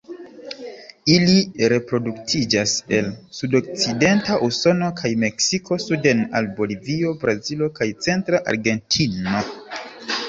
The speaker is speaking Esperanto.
Ili reproduktiĝas el sudokcidenta Usono kaj Meksiko suden al Bolivio, Brazilo kaj centra Argentino.